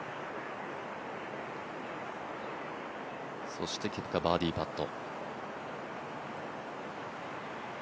そしてケプカ、バーディーパット。